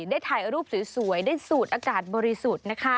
ได้ถ่ายรูปสวยได้สูดอากาศบริสุทธิ์นะคะ